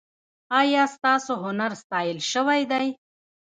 ایا ستاسو هنر ستایل شوی دی؟